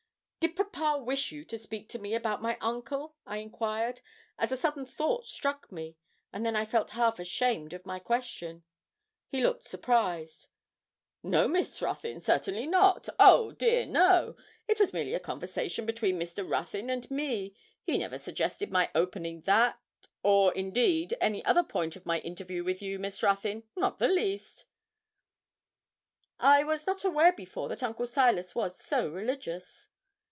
'Did papa wish you to speak to me about my uncle?' I enquired, as a sudden thought struck me; and then I felt half ashamed of my question. He looked surprised. 'No, Miss Ruthyn, certainly not. Oh dear, no. It was merely a conversation between Mr. Ruthyn and me. He never suggested my opening that, or indeed any other point in my interview with you, Miss Ruthyn not the least.' 'I was not aware before that Uncle Silas was so religious.'